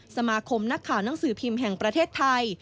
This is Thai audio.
สมาคมนักข่าวหนังสือพิมพ์แห่งประเทศไทย